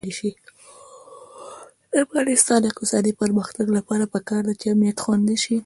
د افغانستان د اقتصادي پرمختګ لپاره پکار ده چې امنیت خوندي شي.